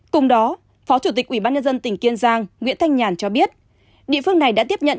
cùng đó phó chủ tịch ubnd tỉnh kiên giang nguyễn thanh nhàn cho biết địa phương này đã tiếp nhận